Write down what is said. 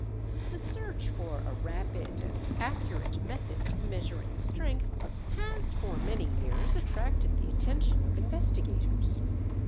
The search for a rapid and accurate method of measuring strength has for many years attracted the attention of investigators.